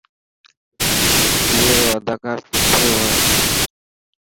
اي رو اداڪار سٺي هي.